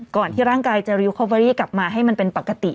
ก่อนที่ร่างกายจะริวคอเวอรี่กลับมาให้มันเป็นปกติ